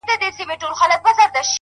وير راوړي غم راوړي خنداوي ټولي يوسي دغه؛